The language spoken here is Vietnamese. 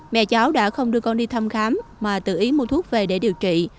mẹ cháu đã không đưa con đi thăm khám mà tự ý mua thuốc về để điều trị